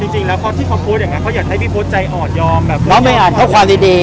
จริงแล้วพอที่เขาพูดอย่างงั้นเขาอยากให้พี่พูดใจอ่อนยอม